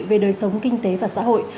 về đời sống kinh tế và xã hội